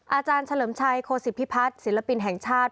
อาจารย์เฉลิมชัยโคศิพิพัฒน์ศิลปินแห่งชาติ